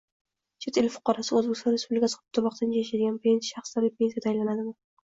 Chet el fuqarosiga O‘zbekiston Respublikasi hududida vaqtincha yashayotgan shaxslarga pensiya tayinlanadimi?